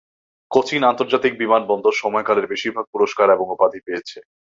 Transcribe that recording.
কোচিন আন্তর্জাতিক বিমানবন্দর সময়কালের বেশিরভাগ পুরস্কার এবং উপাধি পেয়েছে।